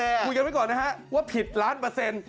คุยกันไว้ก่อนนะฮะว่าผิดล้านเปอร์เซ็นต์